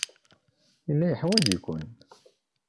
Yella yeḥwaj-iken.